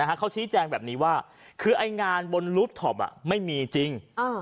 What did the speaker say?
เขาชี้แจงแบบนี้ว่าคือไอ้งานบนลูฟท็อปไม่มีจริง